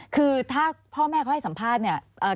คือถ้าพ่อแม่เขาให้สัมภาษณ์เนี่ย